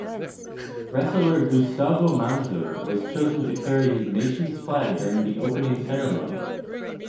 Wrestler Gustavo Manzur was chosen to carry his nation's flag during the opening ceremony.